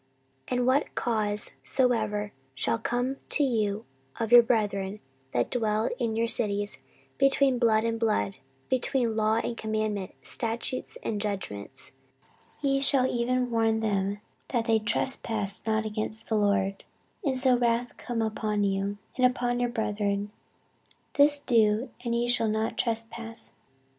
14:019:010 And what cause soever shall come to you of your brethren that dwell in your cities, between blood and blood, between law and commandment, statutes and judgments, ye shall even warn them that they trespass not against the LORD, and so wrath come upon you, and upon your brethren: this do, and ye shall not trespass.